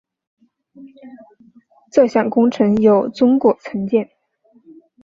这项工程由中国承建。